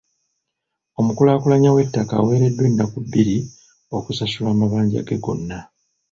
Omukulaakulanya w'ettaka aweereddwa ennaku bbiri okusasula amabanja ge gonna.